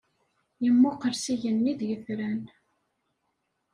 Yemmuqqel s igenni d yetran.